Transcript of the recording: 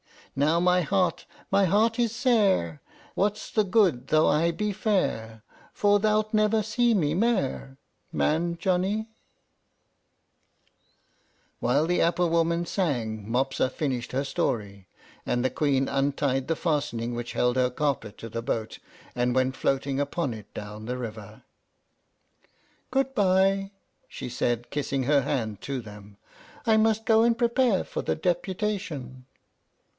Now my heart, my heart is sair. What's the good, though I be fair, For thou'lt never see me mair, Man Johnnie! While the apple woman sang Mopsa finished her story; and the Queen untied the fastening which held her carpet to the boat, and went floating upon it down the river. "Good by," she said, kissing her hand to them. "I must go and prepare for the deputation."